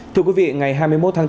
thưa quý vị ngày hai mươi một tháng bốn